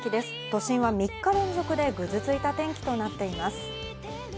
都心は３日連続でぐずついた天気となっています。